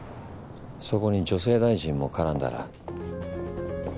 そこに女性大臣も絡んだら？